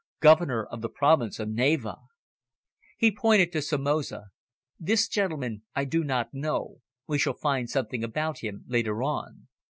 Governor of the Province of Navarre." He pointed to Somoza. "This gentleman I do not know. We shall find something about him later on."